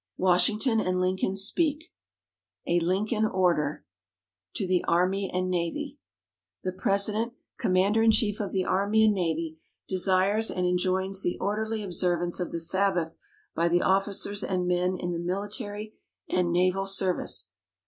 WASHINGTON AND LINCOLN SPEAK A LINCOLN ORDER To the Army and Navy The President, Commander in Chief of the Army and Navy, desires and enjoins the orderly observance of the Sabbath by the officers and men in the military and naval service.